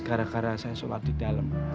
gara gara saya sholat di dalam